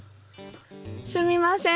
すみません。